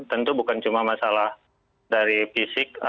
tentu bukan cuma masalah dari fisik